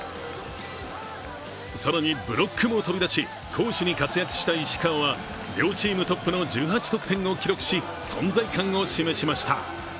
更にブロックも飛び出し攻守に活躍した石川は両チームトップの１８得点を記録し存在感を示しました。